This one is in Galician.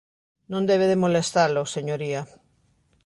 Non debe de molestalo, señoría.